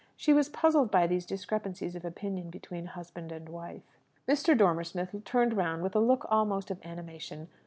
She was puzzled by these discrepancies of opinion between husband and wife. Mr. Dormer Smith turned round with a look almost of animation.